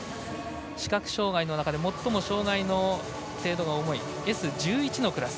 視覚障がいの中で最も障がいの程度が重いＳ１１のクラス。